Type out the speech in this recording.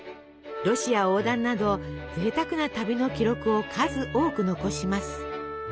ロシア横断などぜいたくな旅の記録を数多く残します。